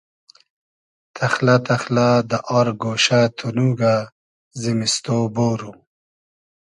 تئخلۂ تئخلۂ دۂ آر گۉشۂ تونوگۂ زیمیستۉ بورو